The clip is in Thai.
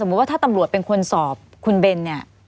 สมมุติว่าถ้าตำรวจเป็นคนสอบคุณเบน